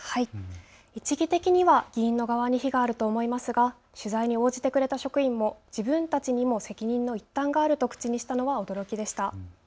一義的には議員の側に非があると思いますが、取材に応じてくれた職員も自分たちにも責任の一端があると口にしたのは驚きでした。